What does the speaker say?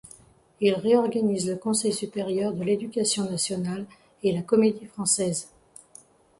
Il réorganise le Conseil supérieur de l'Éducation nationale et la Comédie-Française.